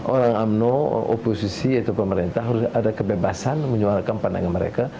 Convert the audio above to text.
orang umno oposisi atau pemerintah harus ada kebebasan menyuarakan pandangan mereka